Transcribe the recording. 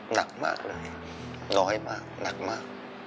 หนักมากเลยใช่